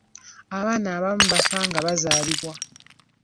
Abaana abamu bafa nga bazaalibwa.